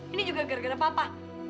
ini juga gara gara papa